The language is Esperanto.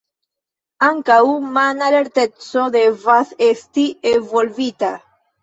Ankaŭ mana lerteco devas esti evolvita.